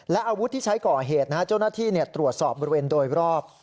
และอาวุธที่ใช้ก่อเหตุเจ้าหน้าที่ตรวจสอบบริเวณโดยรอบ